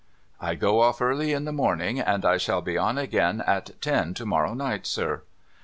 ' I go off early in the morning, and I shall be on again at ten to morrow night, sir.'